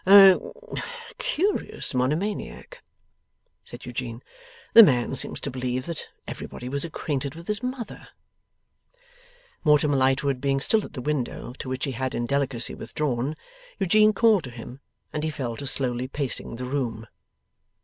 'A curious monomaniac,' said Eugene. 'The man seems to believe that everybody was acquainted with his mother!' Mortimer Lightwood being still at the window, to which he had in delicacy withdrawn, Eugene called to him, and he fell to slowly pacing the room.